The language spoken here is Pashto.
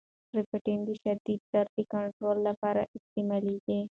ټریپټان د شدید درد د کنترول لپاره استعمالیږي.